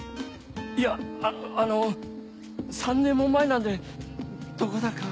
いやあの３年も前なんでどこだか。